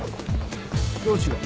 どうしよう。